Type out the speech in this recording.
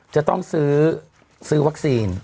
จะต้องซื้อวัคซีน